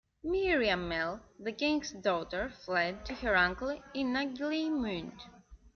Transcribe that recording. Miriamele, the king's daughter, fled to her uncle in Naglimund.